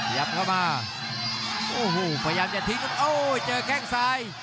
ยับเข้ามาโอ้โหพยายามจะทิ้งโอ้เจอแข้งซ้าย